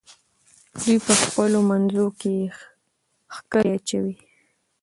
دوی په خپلو منځو کې ښکرې اچوي.